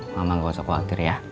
mama gak usah khawatir ya